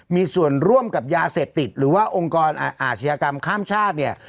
มีส่วนร่วมกับยาเสพติดหรือว่าองค์กรอาชญากรรมข้ามชาติเนี่ย